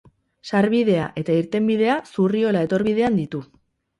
Sarbidea eta irtenbidea Zurriola etorbidean ditu.